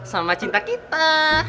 sama cinta kita